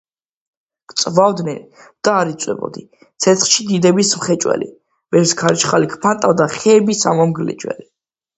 გწვავდნენ და არ იწვებოდი ცეცხლში დიდების მხვეჭელი ვერს ქარიშხალი გფანტავდა ხეების ამომგვლეჯელი...